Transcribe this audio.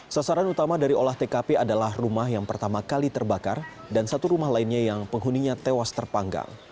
sasaran utama dari olah tkp adalah rumah yang pertama kali terbakar dan satu rumah lainnya yang penghuninya tewas terpanggang